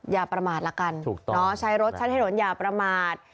อย่าประมาทละกันใช้รถใช้ถนนอย่าประมาท